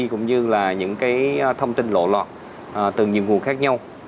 cũng như là những cái thông tin lộ lọt từ nhiều nguồn khác nhau